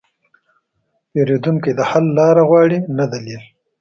پیرودونکی د حل لاره غواړي، نه دلیل.